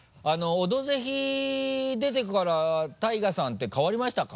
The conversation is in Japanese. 「オドぜひ」出てからＴＡＩＧＡさんて変わりましたか？